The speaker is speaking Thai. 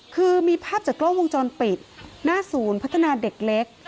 คือมีภาพจากกล้องวงจรปิดหน้าศูนย์พัฒนาเด็กเล็ก